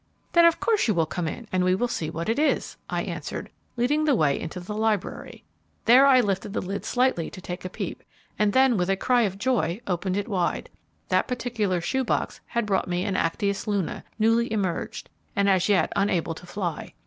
"Then of course you will come in, and we will see what it is," I answered, leading the way into the library. There I lifted the lid slightly to take a peep, and then with a cry of joy, opened it wide. That particular shoe box had brought me an Actias Luna, newly emerged, and as yet unable to fly.